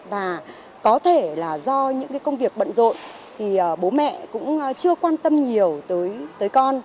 và có thể là do những công việc bận rộn thì bố mẹ cũng chưa quan tâm nhiều tới con